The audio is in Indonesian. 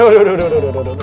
aduh aduh aduh